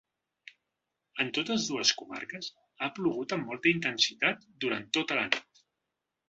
En totes dues comarques ha plogut amb molta intensitat durant tota la nit.